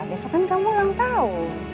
besok kan kamu yang tau